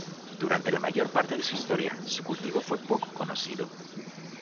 Durante la mayor parte de su historia, su cultivo fue poco conocido.